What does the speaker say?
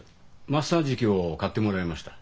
マッサージ機を買ってもらいました。